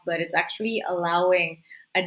sebenarnya itu tidak selalu bermaksud